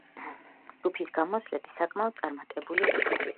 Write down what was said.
ჯგუფის გამოსვლები საკმაოდ წარმატებული იყო.